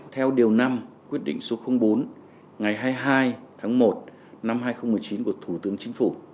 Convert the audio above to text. theo điều năm quyết định số bốn ngày hai mươi hai tháng một năm hai nghìn một mươi chín của thủ tướng chính phủ